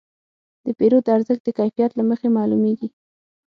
د پیرود ارزښت د کیفیت له مخې معلومېږي.